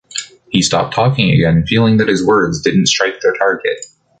He stopped talking again, feeling that his words didn’t strike their target.